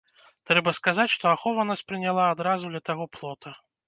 Трэба сказаць, што ахова нас прыняла адразу ля таго плота.